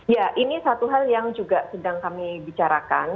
ya ini satu hal yang juga sedang kami bicarakan